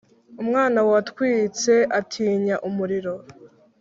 umwana watwitse atinya umuriro.